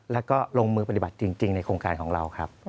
แล้วก็ลงมือปฏิบัติจริงในโครงการของเราครับ